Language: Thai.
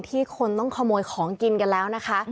คนต้องขโมยของกินกันแล้วนะคะ